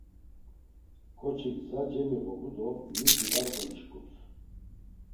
K̆oçik gza cemiğobu do miti var golişǩums.